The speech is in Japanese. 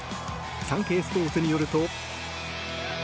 サンケイスポーツによると。